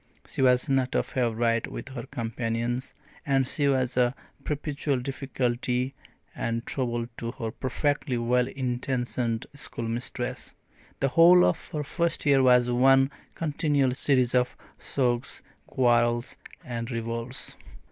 She was not a favourite with her companions, and she was a perpetual difficulty and trouble to her perfectly well intentioned schoolmistress. The whole of her first year was one continual series of sulks, quarrels, and revolts.